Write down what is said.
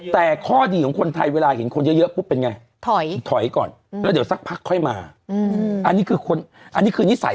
แต่ข้อดีของคนไทยเวลาเห็นคนเยอะปุ๊บเป็นไง